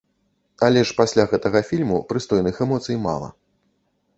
Але ж пасля гэтага фільму прыстойных эмоцый мала.